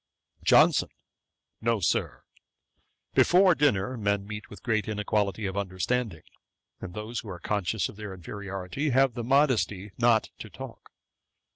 JOHNSON. 'No, Sir: before dinner men meet with great inequality of understanding; and those who are conscious of their inferiority, have the modesty not to talk.